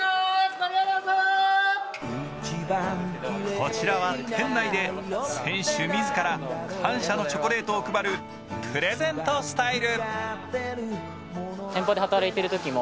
こちらは店内で選手自ら感謝のチョコレートを配るプレゼントスタイル。